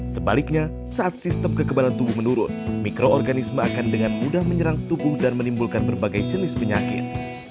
sebaliknya saat sistem kekebalan tubuh menurun mikroorganisme akan dengan mudah menyerang tubuh dan menimbulkan berbagai jenis penyakit